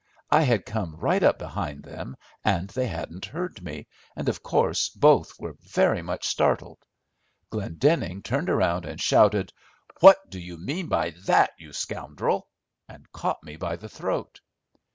I had come right up behind them, and they hadn't heard me, and of course both were very much startled. Glendenning turned round and shouted, 'What do you mean by that, you scoundrel?' and caught me by the throat.